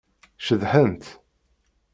Ceḍḥent.